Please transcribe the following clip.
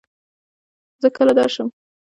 زۀ کله درشم ؟